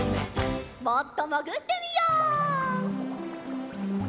もっともぐってみよう。